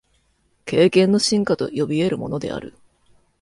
経験の深化と呼び得るものである。